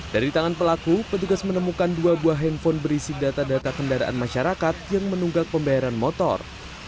dari tangan pelaku petugas menemukan dua buah handphone berisi data data kendaraan masyarakat yang menunggak pembayaran motor